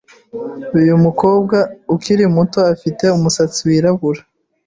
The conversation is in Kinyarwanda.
Uyu mukobwa ukiri muto afite umusatsi wirabura.